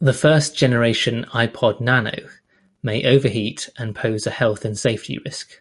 The first generation iPod Nano may overheat and pose a health and safety risk.